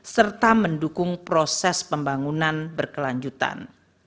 serta mendukung proses pembangunan berkelanjutan